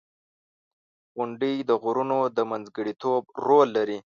• غونډۍ د غرونو د منځګړیتوب رول لري.